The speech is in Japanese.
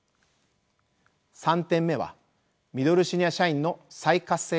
３点目はミドルシニア社員の再活性化です。